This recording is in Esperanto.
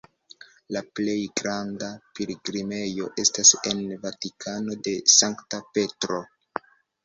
La plej granda pilgrimejo estas en Vatikano de Sankta Petro.